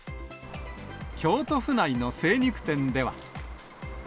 京都府内の精肉店では。